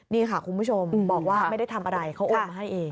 นี่ค่ะคุณผู้ชมบอกว่าไม่ได้ทำอะไรเขาโอนมาให้เอง